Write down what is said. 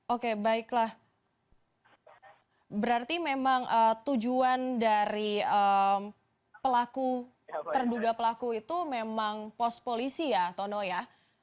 oke baiklah berarti memang tujuan dari pelaku terduga pelaku itu memang pos polisi ya tono ya